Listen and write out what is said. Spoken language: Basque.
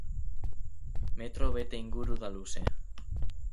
Metro bete inguru da luze.